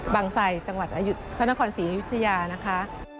บางทรัยจังหวัดพนครศรีอยุธยานะคะ